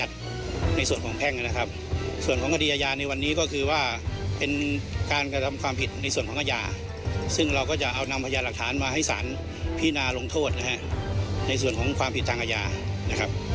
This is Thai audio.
ส่วนของคดีอาญาในวันนี้ก็คือว่าเป็นการทำความผิดในส่วนของอาญาซึ่งเราก็จะเอานำพยายามหลักฐานมาให้สารพินาลงโทษนะครับในส่วนของความผิดทางอาญานะครับ